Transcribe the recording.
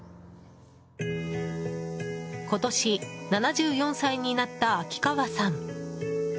今年７４歳になった秋川さん。